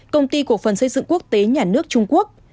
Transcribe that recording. công ty cổ phần xây dựng quốc tế nhà nước trung quốc